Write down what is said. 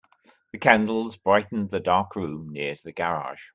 The candles brightened the dark room near to the garage.